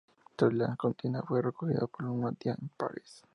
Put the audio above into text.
Tras la contienda fue recogido por una tía en París.